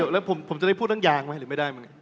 เราจะกรับอย่างหรือไม่ได้